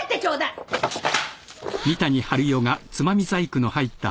あっ。